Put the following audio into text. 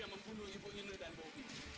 yang membunuh ibu inu dan bopi